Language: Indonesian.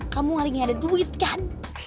kamu hari ini ada duit kan